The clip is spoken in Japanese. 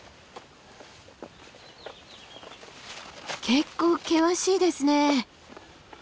結構険しいですね。